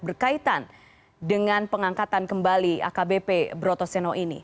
berkaitan dengan pengangkatan kembali akbp broto seno ini